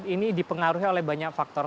ini dipengaruhi oleh banyak faktor